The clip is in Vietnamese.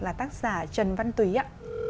là tác giả trần văn túy ạ